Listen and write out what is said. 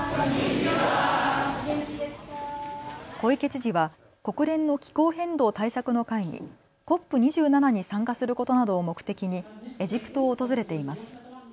小池知事は国連の気候変動対策の会議、ＣＯＰ２７に参加することなどを目的にエジプトを訪れています。